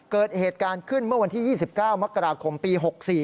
เกิดเหตุการณ์ขึ้นเมื่อวันที่๒๙มกราคมปี๖๔